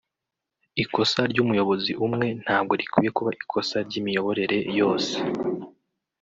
ikosa ry’umuyobozi umwe ntabwo rikwiye kuba ikosa ry’imiyoborere yose